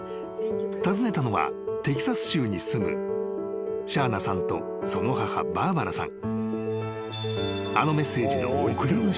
［訪ねたのはテキサス州に住むシャーナさんとその母バーバラさん］